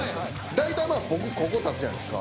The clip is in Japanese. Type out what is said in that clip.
大体まあ僕ここ立つじゃないですか。